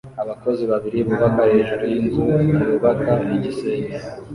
Abakozi babiri bubaka hejuru yinzu yubaka igisenge